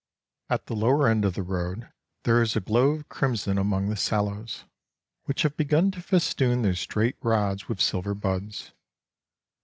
At the lower end of the road there is a glow of crimson among the sallows, which have begun to festoon their straight rods with silver buds.